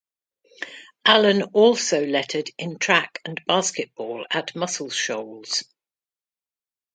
Allen also lettered in track and basketball at Muscle Shoals.